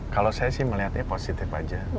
kalau saya sih melihatnya positif aja